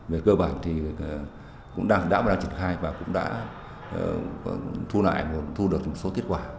về cơ bản thì cũng đã và đang triển khai và cũng đã thu lại và thu được một số kết quả